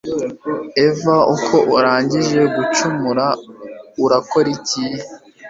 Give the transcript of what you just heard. Eva uko urangije gucumura urakora iki